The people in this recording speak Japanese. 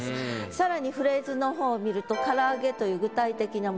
更にフレーズの方見ると「唐揚げ」という具体的な物。